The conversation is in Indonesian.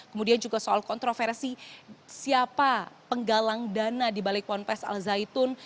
kemudian juga soal kontroversi siapa penggalang dana di balik ponpes al zaitun